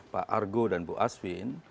pak argo dan bu asvin